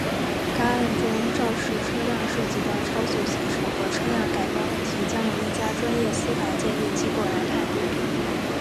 该案中肇事车辆涉及的超速行驶和车辆改装问题将由一家专业司法鉴定机构来判定。